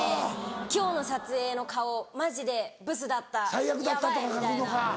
今日の撮影の顔マジでブスだったヤバいみたいな。